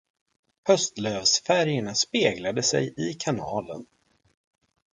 Höslövsfärgerna speglade sig i kanalen.